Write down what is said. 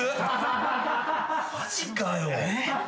マジかよ。